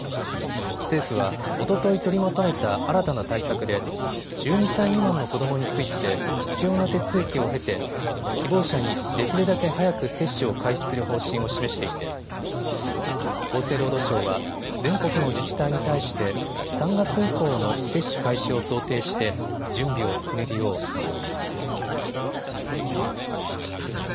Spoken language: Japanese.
政府は、おととい取りまとめた新たな対策で１２歳未満の子どもについて必要な手続きを経て希望者にできるだけ早く接種を開始する方針を示していて厚生労働省は全国の自治体に対して３月以降の接種開始を想定して準備を進めるよう求めています。